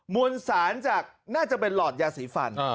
มวลสารจากน่าจะเป็นหลอดยาสีฟัน